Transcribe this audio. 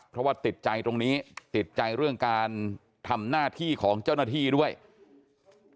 เพราะว่าติดใจตรงนี้ติดใจเรื่องการทำหน้าที่ของเจ้าหน้าที่ด้วย